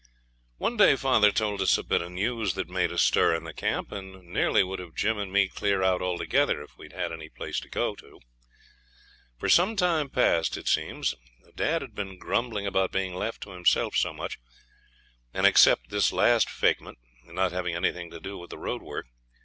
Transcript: One day father told us a bit of news that made a stir in the camp, and nearly would have Jim and me clear out altogether if we'd had any place to go to. For some time past, it seems, dad had been grumbling about being left to himself so much, and, except this last fakement, not having anything to do with the road work.